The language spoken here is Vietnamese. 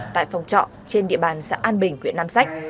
tại phòng trọ trên địa bàn xã an bình huyện nam sách